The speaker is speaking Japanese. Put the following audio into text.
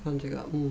うん